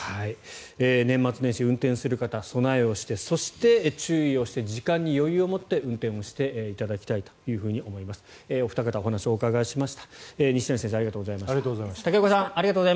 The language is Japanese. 年末年始、運転する方備えをしてそして、注意をして時間に余裕を持って運転をしていただきたいと思いました。